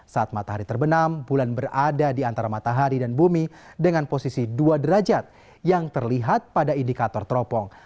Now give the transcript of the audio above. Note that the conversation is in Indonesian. saat matahari terbenam bulan berada di antara matahari dan bumi dengan posisi dua derajat yang terlihat pada indikator teropong